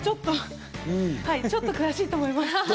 ちょっと詳しいと思います。